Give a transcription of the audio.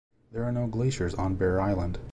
There are no glaciers on Bear Island.